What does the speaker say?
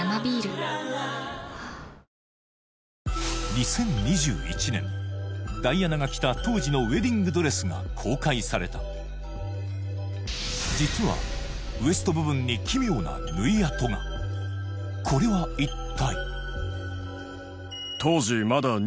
２０２１年ダイアナが着た当時のウエディングドレスが公開された実はウエスト部分にこれは一体？